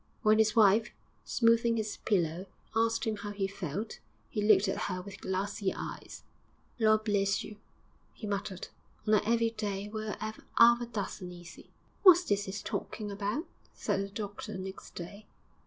When his wife, smoothing his pillow, asked him how he felt, he looked at her with glassy eyes. 'Lor' bless you!' he muttered, 'on a 'eavy day we'll 'ave 'alf a dozen, easy.' 'What's this he's talking about?' asked the doctor, next day.